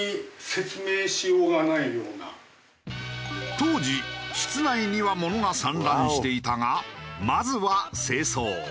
当時室内には物が散乱していたがまずは清掃。